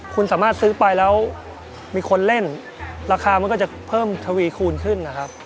คุณสามารถซื้อไปแล้วมีคนเล่นราคามันก็จะเพิ่มทวีคูณขึ้นนะครับ